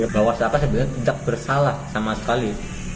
bahwa saka sebenarnya tidak bersalah sama sekali